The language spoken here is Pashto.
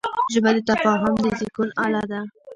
ژبه د تفاهم د زېږون اله ده